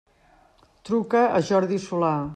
Truca a Jordi Solà.